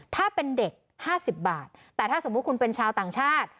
ถ้าเป็นเด็ก๕๐บาทแต่ถ้าสมมุติคุณเป็นชาวต่างชาติ